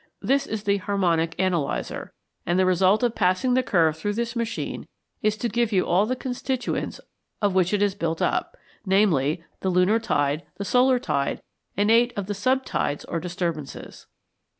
This is the "harmonic analyzer," and the result of passing the curve through this machine is to give you all the constituents of which it is built up, viz. the lunar tide, the solar tide, and eight of the sub tides or disturbances.